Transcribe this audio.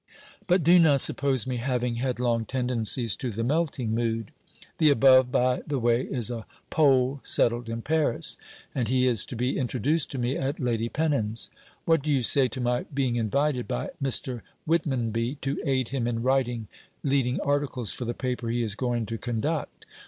'But do not suppose me having headlong tendencies to the melting mood. (The above, by the way, is a Pole settled in Paris, and he is to be introduced to me at Lady Pennon's.) What do you say to my being invited by Mr. Whitmonby to aid him in writing leading articles for the paper he is going to conduct!